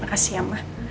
makasih ya mah